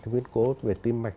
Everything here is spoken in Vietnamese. biến cố về tim mạch